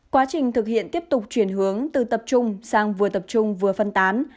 quá trình thực hiện tiếp tục chuyển hướng từ tập trung sang vừa tập trung vừa phân tán